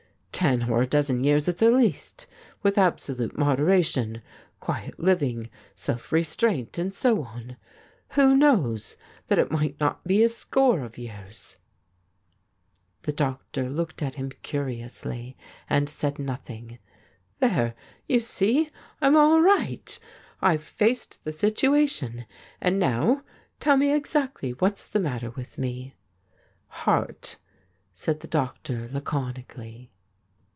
Ten or a dozen years at the least ; with absolute moderation, quiet living, self restraint, and so on, who knows that it might not be a score of years ?' The doctor looked at him curiously and said nothing. ' There, you see — I'm all right. I've faced the situation. And now tell me exactly what's the matter with me.' ' Heart,' said the doctor laconi cally.